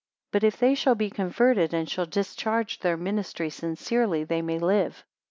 But if they shall be converted, and shall discharge their ministry sincerely, they may live.